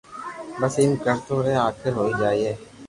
بس ايم ڪرتو رھي آخر ھوئي جائين